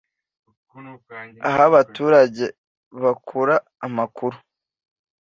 aho abaturage bakura amakuru